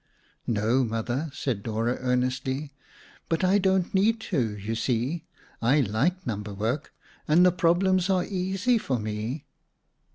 "No, Mother," said Dora earnestly. "But I don't need to, you see. I like number work and the problems are easy for me."